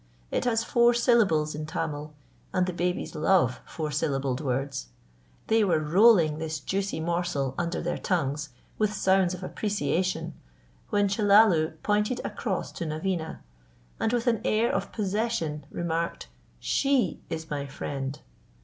It has four syllables in Tamil, and the babies love four syllabled words. They were rolling this juicy morsel under their tongues with sounds of appreciation, when Chellalu pointed across to Naveena, and with an air of possession remarked, "She is my friend."